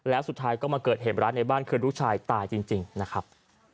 แล้วสุดท้ายก็มาเกิดเหตุร้ายในบ้านคือลูกชายตายจริงนะครับ